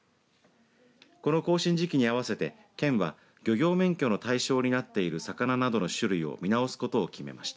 この更新時期に合わせて県は漁業免許の対象になっている魚などの種類を見直すことを決めました。